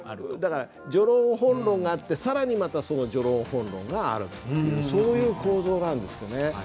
だから序論・本論があって更にまた序論・本論があるっていうそういう構造なんですよね。